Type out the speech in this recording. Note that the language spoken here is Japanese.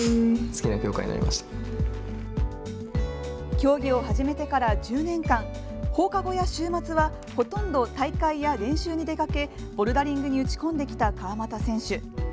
競技を始めてから１０年間放課後や週末はほとんど大会や練習に出かけボルダリングに打ち込んできた川又選手。